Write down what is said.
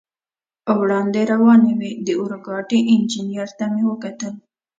وړاندې روانې وې، د اورګاډي انجنیر ته مې وکتل.